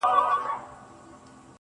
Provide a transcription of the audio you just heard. ما په اول ځل هم چنداني گټه ونه کړه